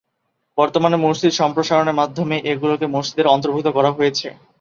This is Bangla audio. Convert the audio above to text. বর্তমানে মসজিদ সম্প্রসারণের মাধ্যমে এগুলোকে মসজিদের অন্তর্ভুক্ত করা হয়েছে।